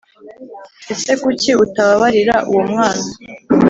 Ese kuki utababarira uwo mwana